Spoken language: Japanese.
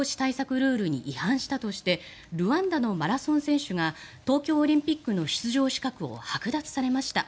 ルールに違反したとしてルワンダのマラソン選手が東京オリンピックの出場資格をはく奪されました。